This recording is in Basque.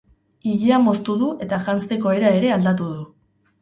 Ilea moztu du eta janzteko era ere aldatu du.